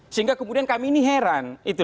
sehingga kemudian kami ini heran